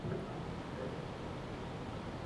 দ্বিতীয়ত আমার অসুখ হওয়ার জন্য জীবনের উপর ভরসা নাই।